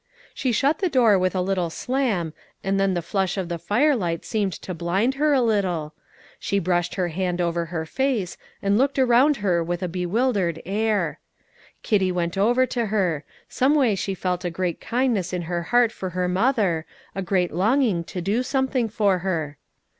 She shut the door with a little slam, and then the flush of the firelight seemed to blind her a little; she brushed her hand over her face, and looked around her with a bewildered air. Kitty went over to her; some way she felt a great kindness in her heart for her mother, a great longing to do something for her.